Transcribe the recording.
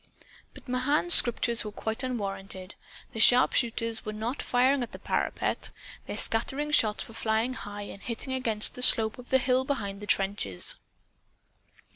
But Mahan's strictures were quite unwarranted. The sharpshooters were not firing at the parapet. Their scattering shots were flying high, and hitting against the slope of the hill behind the trenches.